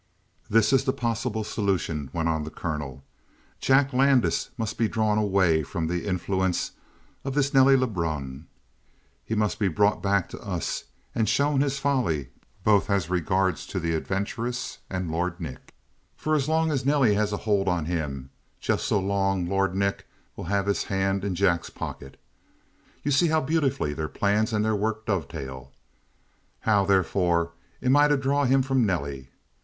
"This is the possible solution," went on the colonel. "Jack Landis must be drawn away from the influence of this Nelly Lebrun. He must be brought back to us and shown his folly both as regards the adventuress and Lord Nick; for so long as Nelly has a hold on him, just so long Lord Nick will have his hand in Jack's pocket. You see how beautifully their plans and their work dovetail? How, therefore, am I to draw him from Nelly?